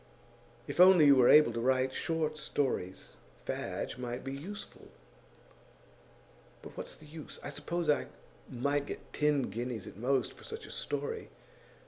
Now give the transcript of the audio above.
'If only you were able to write short stories, Fadge might be useful.' 'But what's the use? I suppose I might get ten guineas, at most, for such a story.